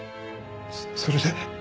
そそれで？